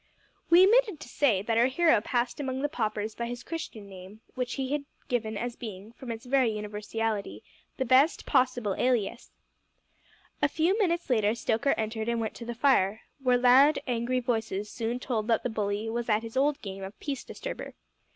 We omitted to say that our hero passed among the paupers by his Christian name, which he had given as being, from its very universality, the best possible alias. A few minutes later Stoker entered and went to the fire, where loud, angry voices soon told that the bully was at his old game of peace disturber.